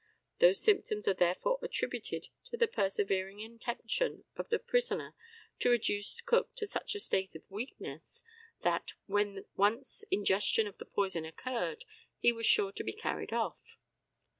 Those symptoms are therefore attributed to the persevering intention of the prisoner to reduce Cook to such a state of weakness that, when once ingestion of the poison occurred, he was sure to be carried off.